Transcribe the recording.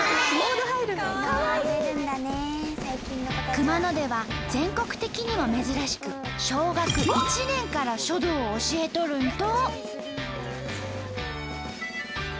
熊野では全国的にも珍しく小学１年から書道を教えとるんと！